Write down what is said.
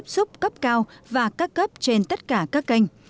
súc cấp cao và cắt cấp trên tất cả các kênh